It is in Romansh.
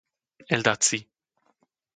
El dat si.